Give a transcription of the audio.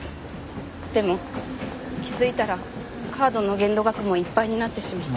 でも気づいたらカードの限度額もいっぱいになってしまって。